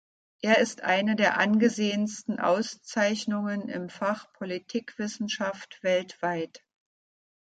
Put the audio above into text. Er ist eine der angesehensten Auszeichnungen im Fach Politikwissenschaft weltweit.